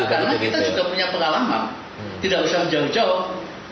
karena kita juga punya pengalaman tidak usah jauh jauh